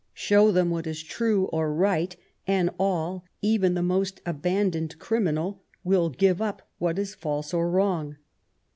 Show them what is true or right, and all, even the most abandoned criminal, will give up what is false or wrong.